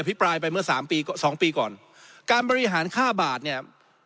ปลายไปเมื่อสามปีสองปีก่อนการบริหารค่าบาทเนี่ย